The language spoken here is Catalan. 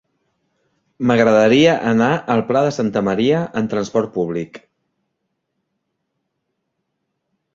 M'agradaria anar al Pla de Santa Maria amb trasport públic.